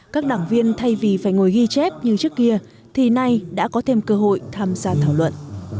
các đảng viên thay vì phải ngồi ghi chép như trước kia thì nay đã có thêm cơ hội tham gia thảo luận